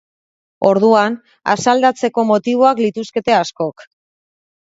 Orduan, asaldatzeko motiboak lituzteke askok.